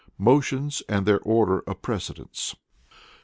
III. Motions and their Order of Precedence.